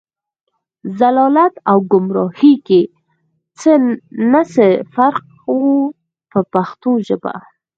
ضلالت او ګمراهۍ کې نه څه فرق و په پښتو ژبه.